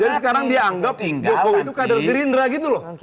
jadi sekarang dia anggap jokowi itu kader gerindra gitu loh